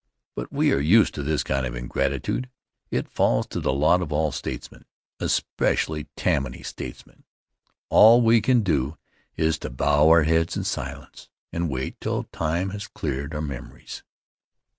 But we are used to this kind of ingratitude. It falls to the lot of all statesmen, especially Tammany statesmen. All we can do is to bow our heads in silence and wait till time has cleared our memories.